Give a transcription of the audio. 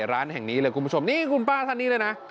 ร้านแห่งนี้เลยคุณผู้ชมนี่คุณป้าท่านนี้เลยนะ